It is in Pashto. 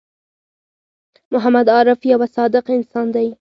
محمد عارف یوه صادق انسان دی